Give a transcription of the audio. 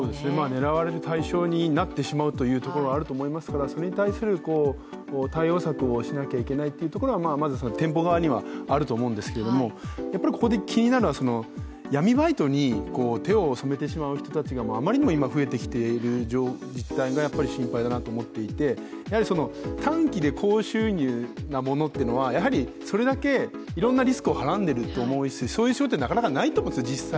狙われる対象になってしまうというところがあると思いますからそれに対する対応策をしなくちゃいけないということがまず店舗側にはあると思うんですけれどもやっぱりここで気になるのは、闇バイトに手を染めてしまう人たちがあまりにも今、増えてきている実態が心配だなと思っていて短期で高収入なものっていうのはやはりそれだけいろんなリスクをはらんでいると思うし、そういう手法って、なかなかないと思うんですよ。